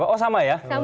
oh sama ya